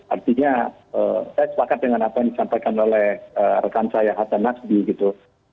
artinya saya sepakat dengan apa yang disampaikan oleh rekan saya hatta nasdi gitu